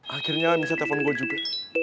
akhirnya misalnya telepon gue juga